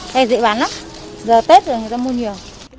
đây dễ bán lắm giờ tết rồi người ta mua nhiều